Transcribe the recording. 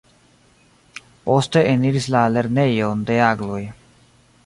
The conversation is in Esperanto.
Poste eniris la "Lernejon de Agloj".